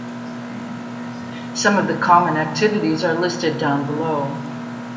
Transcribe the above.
Some of the common activities are listed down below.